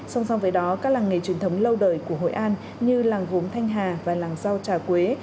song song với đó các làng nghề truyền thống lâu đời của hội an như làng gốm thanh hà và làng rau trà quế